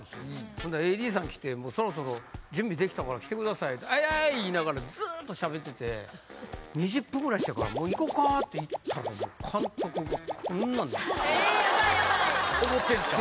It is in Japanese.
ほんでＡＤさん来て「もうそろそろ準備できたから来てください」って「はいはーい」言いながらずーっと喋ってて２０分ぐらいしてから「もう行こうか」って行ったら監督がこんなんなって怒ってんですか？